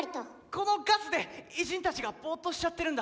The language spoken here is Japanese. このガスで偉人たちがボーっとしちゃってるんだ。